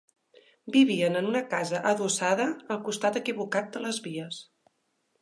Vivien en una casa adossada al costat equivocat de les vies